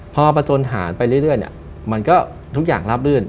พอประจนฐานไปเรื่อยมันก็ทุกอย่างราบรื่น